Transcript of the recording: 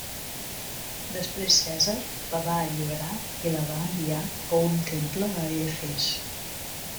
Després Cèsar la va alliberar i la va enviar a un temple a Efes.